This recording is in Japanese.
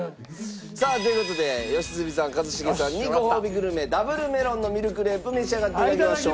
さあという事で良純さん一茂さんにごほうびグルメダブルメロンのミルクレープ召し上がっていただきましょう。